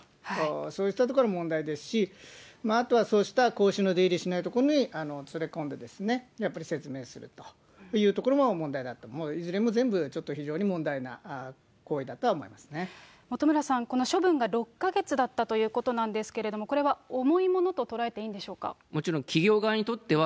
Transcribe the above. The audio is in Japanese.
そうしたところが問題ですし、あとはそうした公衆の出入りしない所に連れ込んで、やっぱり説明するというところも問題だと、いずれも全部、ちょっと非常に問題な行為だとは思いま本村さん、この処分が６か月だったということなんですけれども、これは重いもちろん、企業側にとっては、